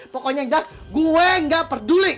pokoknya yang jelas gue gak peduli